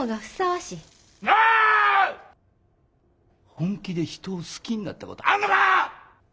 本気で人を好きになったことあるのか！